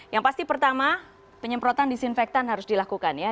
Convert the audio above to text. yang pasti pertama penyemprotan disinfektan harus dilakukan ya